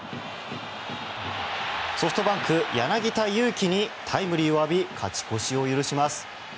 ソフトバンク、柳田悠岐にタイムリーを浴び勝ち越しを許します。